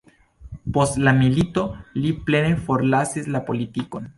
Post la milito li plene forlasis la politikon.